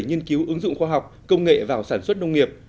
nghiên cứu ứng dụng khoa học công nghệ vào sản xuất nông nghiệp